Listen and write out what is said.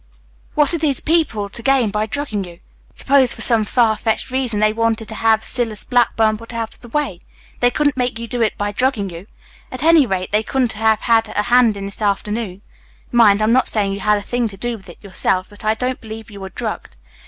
"What had these people to gain by drugging you? Suppose for some far fetched reason they wanted to have Silas Blackburn put out of the way. They couldn't make you do it by drugging you. At any rate, they couldn't have had a hand in this afternoon. Mind, I'm not saying you had a thing to do with it yourself, but I don't believe you were drugged.